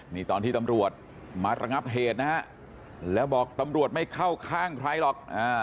นี่ตอนที่ตำรวจมาระงับเหตุนะฮะแล้วบอกตำรวจไม่เข้าข้างใครหรอก